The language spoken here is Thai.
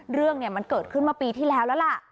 เรื่องมันเกิดขึ้นมาปีที่แล้วแล้วล่ะ